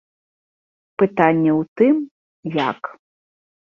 Пытанне ў тым, як.